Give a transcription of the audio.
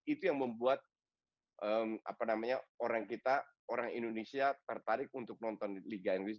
itu yang membuat orang indonesia tertarik untuk nonton liga inggris